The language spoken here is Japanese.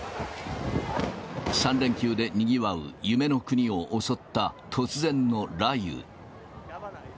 ３連休でにぎわう夢の国を襲った突然の雷雨。